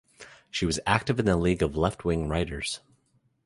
She was active in the League of Left-Wing Writers.